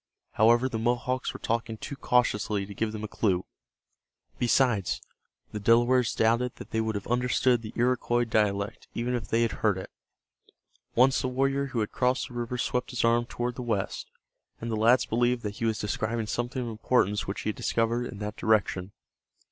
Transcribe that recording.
However, the Mohawks were talking too cautiously to give them a clue. Besides, the Delawares doubted that they would have understood the Iroquois dialect even if they had heard it. Once the warrior who had crossed the river swept his arm toward the west, and the lads believed that he was describing something of importance which he had discovered in that direction.